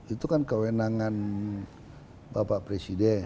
itu kan kewenangan bapak presiden